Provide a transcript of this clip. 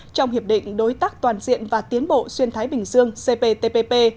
trong hiệp định đối tác toàn diện và tiến bộ xuyên thái bình dương cptpp